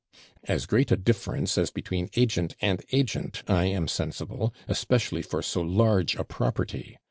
'As great a difference as between agent and agent, I am sensible especially for so large a property!'